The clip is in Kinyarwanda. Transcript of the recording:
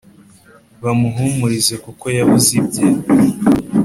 Bamuhumurize kuko yabuze ibye